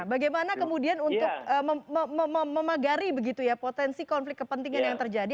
bagaimana kemudian untuk memagari begitu ya potensi konflik kepentingan yang terjadi